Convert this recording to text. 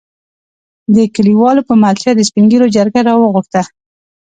دې کليوالو په ملتيا د سپين ږېرو جرګه راوغښته.